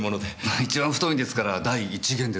一番太いんですから第１弦ですよ。